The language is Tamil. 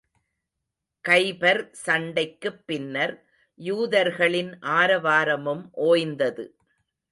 கைபர் சண்டைக்குப் பின்னர், யூதர்களின் ஆரவாரமும் ஒய்ந்தது.